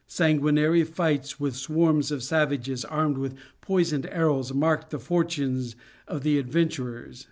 Sanguinary fights with swarms of savages armed with poisoned arrows, marked the fortunes of the adventurers.